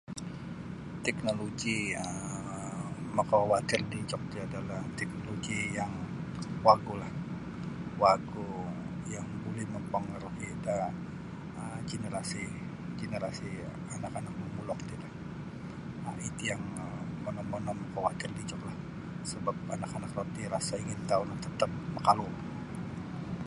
Teknoloji um makawatir dijok ti adalah teknoloji yang wagulah wagu yang buli mempangaruhi da um jenerasi-jenerasi anak-anak momulok ti um iti yang monong-monong makawatir dijoklah sebap anak-anak roti rasa' ingin tahu' tetap makalu.